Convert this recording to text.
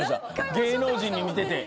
芸能人に似てて。